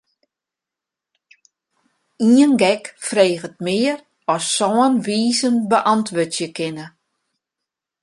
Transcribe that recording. Ien gek freget mear as sân wizen beäntwurdzje kinne.